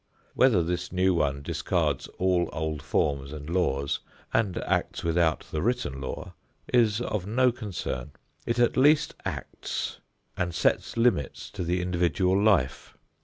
Whether this new one discards all old forms and laws and acts without the written law, is of no concern. It at least acts and sets limits to the individual life.